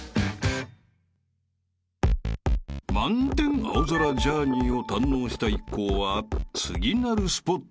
［満天青空ジャーニーを堪能した一行は次なるスポットへ］